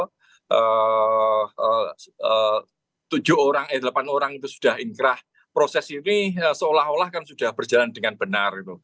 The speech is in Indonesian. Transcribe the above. kalau delapan orang itu sudah inkrah proses ini seolah olah kan sudah berjalan dengan benar